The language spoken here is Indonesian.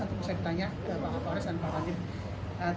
nanti bisa ditanya pak kapolres dan pak radit